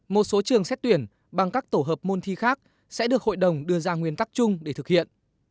một số trường xét tuyển bằng các tổ hợp môn thi khác sẽ được hội đồng đưa ra nguyên tắc chung để thực hiện